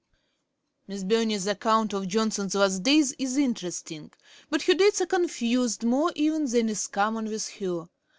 Miss Burney's account of Johnson's last days is interesting, but her dates are confused more even than is common with her.